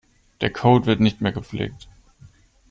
Der Code wird nicht mehr gepflegt.